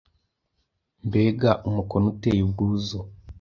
Mbega umukono uteye ubwuzu!